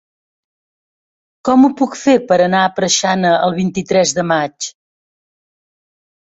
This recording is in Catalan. Com ho puc fer per anar a Preixana el vint-i-tres de maig?